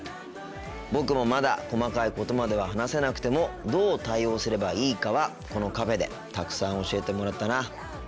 僕もまだ細かいことまでは話せなくてもどう対応すればいいかはこのカフェでたくさん教えてもらったな。